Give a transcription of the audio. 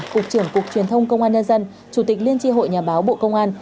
cục trưởng cục truyền thông công an nhân dân chủ tịch liên tri hội nhà báo bộ công an